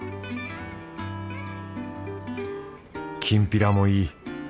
きんぴらもいい。